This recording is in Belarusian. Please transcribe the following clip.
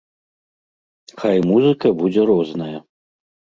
Хай музыка будзе розная.